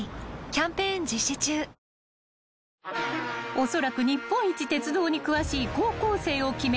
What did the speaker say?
［おそらく日本一鉄道に詳しい高校生を決める